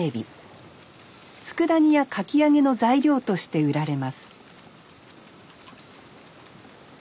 つくだ煮やかき揚げの材料として売られます